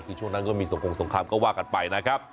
คือช่วงนั้นก็มีสงค์สงครามก็ว่ากันไปนะครับ